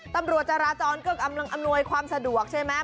ตำรวจาราจรก็อำนวยความสะดวกใช่ไหม